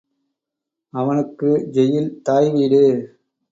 அவனுக்க jail தாய் வீடு.